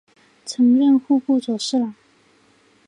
曾任户部左侍郎。